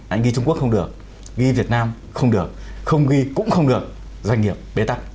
anh ghi trung quốc không được ghi việt nam không được không ghi cũng không được doanh nghiệp bế tắc